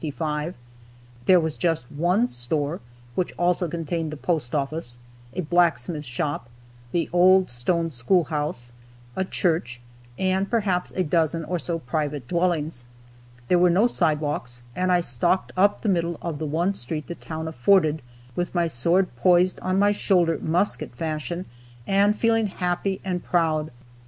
There was just one store, (which also contained the post office,) a blacksmith shop, the old "Stone school house," a church, and perhaps a dozen or so private dwellings. There were no sidewalks, and I stalked up the middle of the one street the town afforded, with my sword poised on my shoulder, musket fashion, and feeling happy and proud.